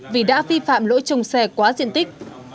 vì đã vi phạm lỗi trông xe quá diện tích